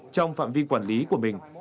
trong phạm vi quản lý của mình